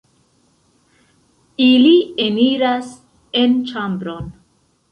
Ili eniras en ĉambron.